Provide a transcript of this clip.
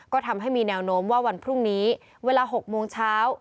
ก็ทำให้มีแนวโน้มว่าวันพรุ่งนี้เวลา๖โมงเช้า